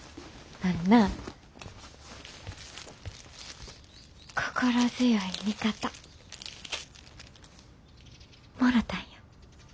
あんな心強い味方もろたんや。